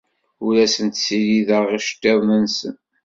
Ur asen-ssirideɣ iceḍḍiḍen-nsen.